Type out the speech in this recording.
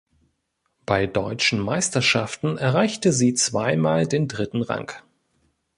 Bei deutschen Meisterschaften erreichte sie zweimal den dritten Rang.